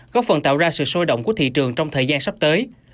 góp phần tạo ra sự sôi động của thị trường trong thời gian sắp tới